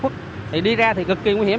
thì đi ra thì cực kỳ nguy hiểm